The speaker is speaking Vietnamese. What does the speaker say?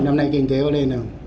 năm nay kinh tế có lên không